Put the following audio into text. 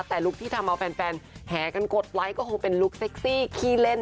แต่ลุคที่ทำเอาแฟนแหกันกดไลค์ก็คงเป็นลุคเซ็กซี่ขี้เล่น